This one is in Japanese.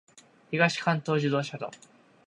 東関東自動車道